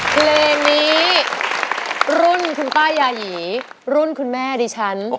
เพลงนี้รุ่นคุณป้ายาหยีรุ่นคุณแม่ดิฉัน